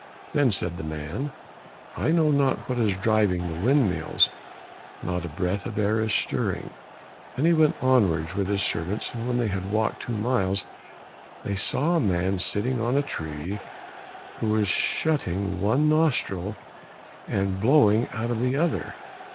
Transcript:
Then said the man, "I know not what is driving the windmills, not a breath of air is stirring," and he went onwards with his servants, and when they had walked two miles they saw a man sitting on a tree who was shutting one nostril, and blowing out of the other.